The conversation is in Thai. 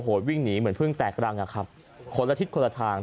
วิ่งหนีเหมือนเพิ่งแตกรังอ่ะครับคนละทิศคนละทาง